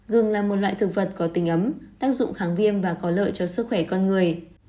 gừng là một loại thực vật có tình ấm tác dụng kháng viêm và có lợi cho sức khỏe con người